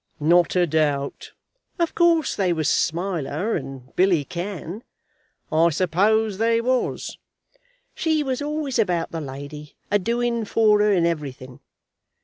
"Not a doubt." "Of course they was Smiler and Billy Cann." "I suppose they was." "She was always about the lady, a doing for her in everything.